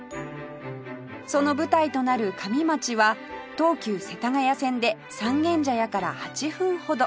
その舞台となる上町は東急世田谷線で三軒茶屋から８分ほど